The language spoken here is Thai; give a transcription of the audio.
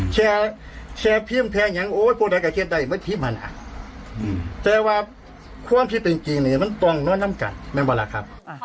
แค่แค่แค่อย่างโอ้โหแต่ว่าความที่เป็นจริงเนี่ยมันต้องน้อยน้ำกัดไม่เวลาครับ